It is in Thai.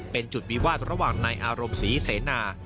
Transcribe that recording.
เป็นจุดวิวาสระหว่างนายอารมณ์ศรีเสนา